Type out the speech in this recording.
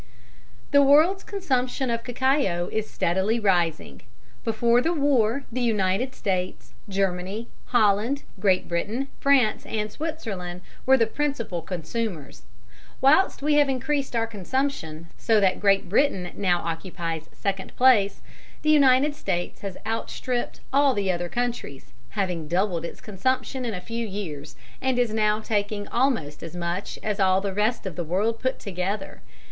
_ The world's consumption of cacao is steadily rising. Before the war the United States, Germany, Holland, Great Britain, France, and Switzerland were the principal consumers. Whilst we have increased our consumption, so that Great Britain now occupies second place, the United States has outstripped all the other countries, having doubled its consumption in a few years, and is now taking almost as much as all the rest of the world put together.